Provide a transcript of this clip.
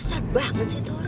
kesel banget sih tori